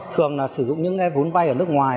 thường là sử dụng những vốn vay ở nước ngoài